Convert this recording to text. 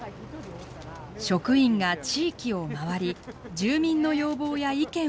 職員が地域を回り住民の要望や意見を聞き取っています。